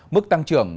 mức tăng trưởng